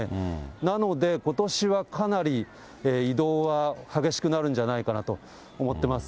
なのでことしはかなり、移動は激しくなるんじゃないかなと思っています。